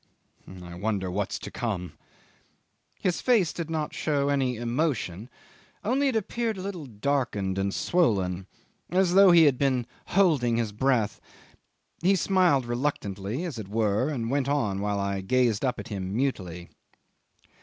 I wonder what's to come." His face did not show any emotion, only it appeared a little darkened and swollen, as though he had been holding his breath. He smiled reluctantly as it were, and went on while I gazed up at him mutely.